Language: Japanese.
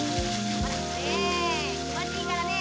ほらねえきもちいいからね。